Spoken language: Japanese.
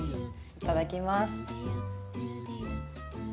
いただきます。